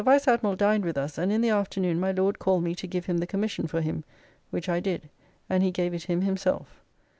] The Vice Admiral dined with us, and in the afternoon my Lord called me to give him the commission for him, which I did, and he gave it him himself.